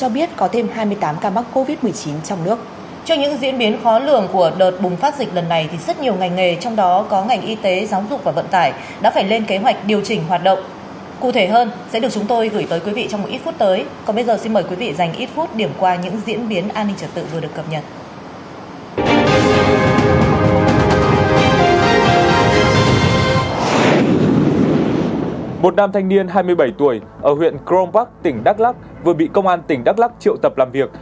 một nam thanh niên hai mươi bảy tuổi ở huyện crom park tỉnh đắk lắc vừa bị công an tỉnh đắk lắc triệu tập làm việc